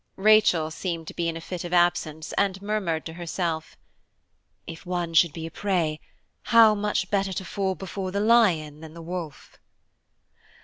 Rachel seemed to be in a fit of absence and murmured to herself, "'If one should be a prey, how much better to fall before the lion than the wolf.'